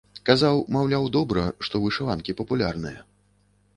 Казаў, маўляў, добра, што вышыванкі папулярныя.